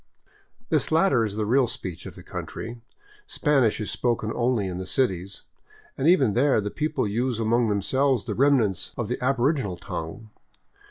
This latter is the real speech of the country. Spanish is spoken only in the cities, and even there the people use among them selves the remnants of the aboriginal tongue.